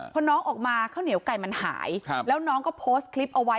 พอน้องออกมาข้าวเหนียวไก่มันหายแล้วน้องก็โพสต์คลิปเอาไว้